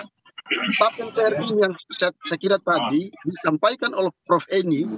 empat mpr ini yang saya kira tadi disampaikan oleh prof eni